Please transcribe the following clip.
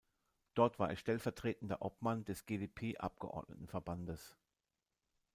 Dort war er stellvertretender Obmann des GdP-Abgeordnetenverbandes.